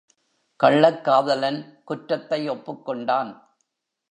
கள்ளக்காதலன் குற்றத்தை ஒப்புக்கொண்டான்!